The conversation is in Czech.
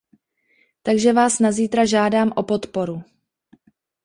Takže vás na zítra žádám o podporu.